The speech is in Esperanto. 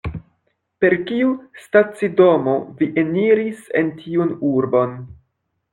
Per kiu stacidomo vi eniris en tiun urbon?